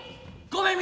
ごめん